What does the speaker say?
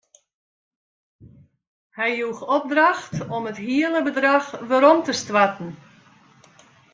Hy joech opdracht om it hiele bedrach werom te stoarten.